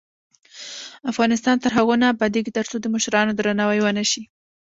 افغانستان تر هغو نه ابادیږي، ترڅو د مشرانو درناوی ونشي.